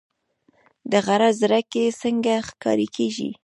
د غره زرکې څنګه ښکار کیږي؟